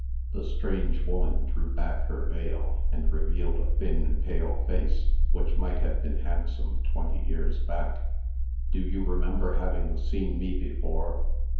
The strange woman drew back her veil, and revealed a thin, pale face, which might have been handsome twenty years back. "Do you remember having seen me before?"